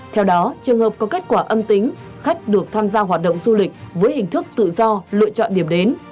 theo đó trường hợp có kết quả âm tính khách được tham gia hoạt động du lịch với hình thức tự do lựa chọn điểm đến